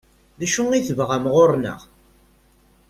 D acu i tebɣam ɣur-neɣ?